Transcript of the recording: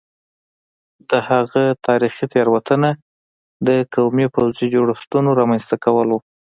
د هغه تاریخي تېروتنه د قومي پوځي جوړښتونو رامنځته کول وو